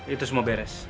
itu semua beres